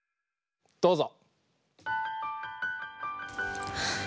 どうぞ！